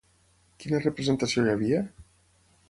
Quina representació hi havia?